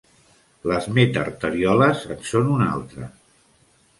Les metarterioles en són un altre.